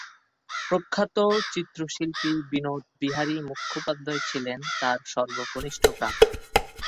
প্রখ্যাত চিত্রশিল্পী বিনোদ বিহারী মুখোপাধ্যায় ছিল তার সর্বকনিষ্ঠ ভ্রাতা।